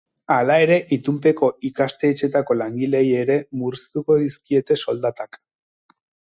Hala ere, itunpeko ikastetxeetako langileei ere murriztuko dizkiete soldatak.